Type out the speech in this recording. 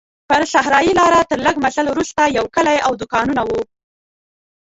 پر صحرایي لاره تر لږ مزل وروسته یو کلی او دوکانونه وو.